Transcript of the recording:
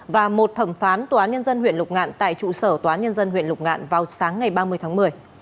và một thẩm phán tnh huyện lục ngạn tại trụ sở tnh huyện lục ngạn vào sáng ngày ba mươi tháng một mươi